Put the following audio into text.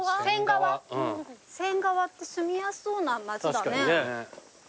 仙川って住みやすそうな街だね。